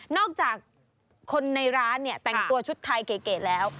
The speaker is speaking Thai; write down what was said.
อกจากคนในร้านเนี่ยแต่งตัวชุดไทยเก๋แล้ว